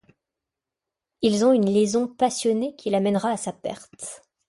Ils ont une liaison passionnée qui la mènera à sa perte...